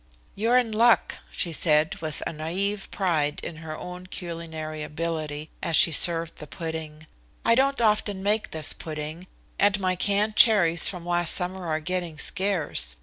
"You're in luck," she said with a naive pride in her own culinary ability, as she served the pudding. "I don't often make this pudding, and my canned cherries from last summer are getting scarce.